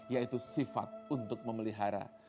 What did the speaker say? yaitu sifat memelihara